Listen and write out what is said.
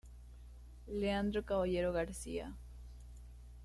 Leandro Caballero García".